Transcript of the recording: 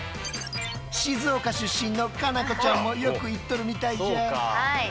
静岡出身の夏菜子ちゃんもよく行っとるみたいじゃ。